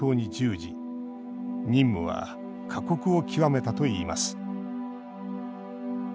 任務は過酷を極めたといいます。